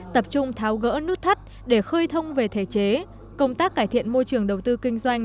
tập trung tháo gỡ nút thắt để khơi thông về thể chế công tác cải thiện môi trường đầu tư kinh doanh